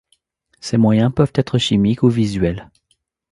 Ces moyens peuvent être chimiques ou visuels.